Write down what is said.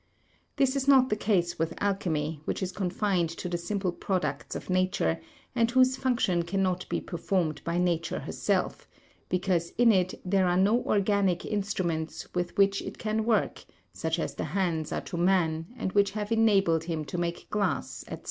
This is not the case with alchemy, which is confined to the simple products of nature, and whose function cannot be performed by nature herself, because in it there are no organic instruments with which it can work, such as the hands are to man and which have enabled him to make glass, &c.